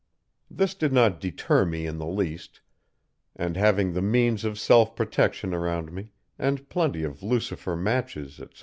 "This did not deter me in the least, and having the means of self protection around me, and plenty of lucifer matches, etc.